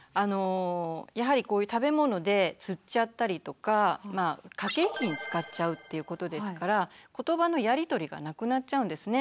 やはりこういう食べ物でつっちゃったりとかまあ駆け引きに使っちゃうっていうことですからことばのやりとりがなくなっちゃうんですね。